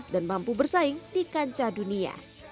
dan mampu bersaing di kancah dunia